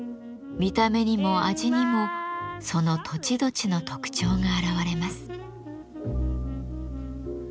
見た目にも味にもその土地土地の特徴が現れます。